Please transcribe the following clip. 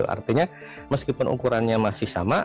artinya meskipun ukurannya masih sama